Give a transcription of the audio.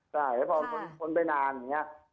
ใช่พอคนไปนานนะ